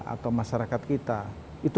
atau masyarakat kita itu